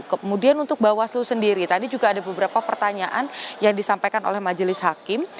kemudian untuk bawaslu sendiri tadi juga ada beberapa pertanyaan yang disampaikan oleh majelis hakim